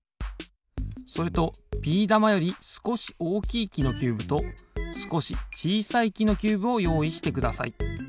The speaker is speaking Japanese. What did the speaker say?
それとビー玉よりすこしおおきいきのキューブとすこしちいさいきのキューブをよういしてください。